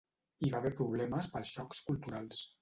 Hi va haver problemes pels xocs culturals.